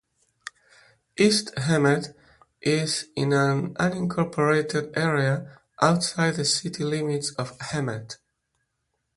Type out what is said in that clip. East Hemet is in an unincorporated area outside the city limits of Hemet.